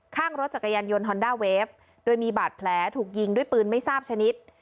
ข้างรถจักรยานยนต์ฮอนด้าเวฟโดยมีบาดแผลถูกยิงด้วยปืนไม่ทราบชนิด